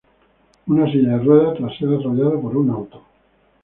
Usa silla de ruedas tras ser arrollado por un auto.